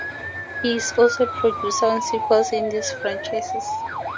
He is also a producer on sequels in these franchises.